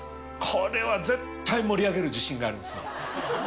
これは絶対盛り上げる自信がありますね。